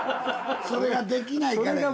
それができないからや。